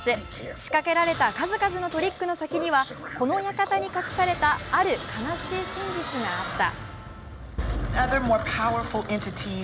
仕掛けられた数々のトリックの先にはこの館に隠されたある悲しい真実があった。